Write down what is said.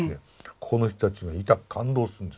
ここの人たちがいたく感動するんです。